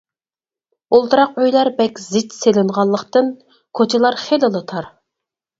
ئولتۇراق ئۆيلەر بەك زىچ سېلىنغانلىقتىن كوچىلار خېلىلا تار.